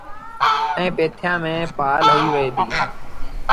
ائيٚݩ پيٿيآݩ ميݩ پآل هنئيٚ وهي ديٚ۔